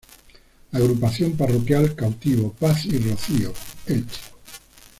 Agrupación Parroquial Cautivo, Paz y Rocío, Elche.